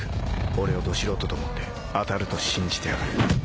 俺をド素人と思って当たると信じてやがる